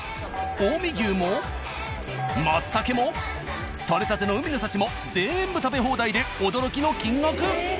近江牛も松茸も取れたての海の幸もぜんぶ食べ放題で驚きの金額。